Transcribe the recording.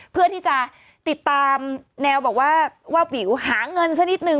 เพื่อที่จะติดตามแนวบอกว่าวาบวิวหาเงินสักนิดนึง